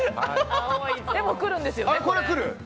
でも、来るんですよね。